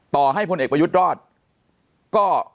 ต่อให้พลเอกประยุทธรรมรอด